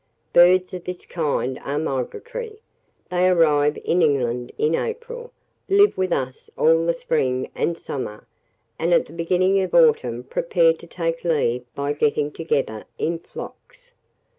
Birds of this kind are migratory. They arrive in England in April, live with us all the spring and summer, and at the beginning of autumn prepare to take leave by getting together in flocks.